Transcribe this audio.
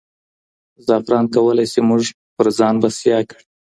زعفران کولای شي موږ په ځان بسیا کړي.